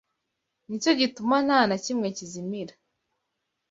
ni cyo gituma nta na kimwe kizimira